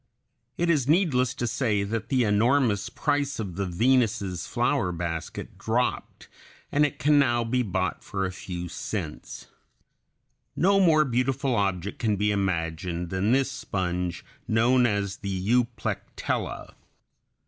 It is needless to say that the enormous price of the Venus's flower basket dropped, and it can now be bought for a few cents. [Illustration: FIG. 18. Skeleton of a sponge.] No more beautiful object can be imagined than this sponge, known as the Euplectella.